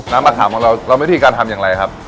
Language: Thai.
มะขามของเราแล้ววิธีการทำอย่างไรครับ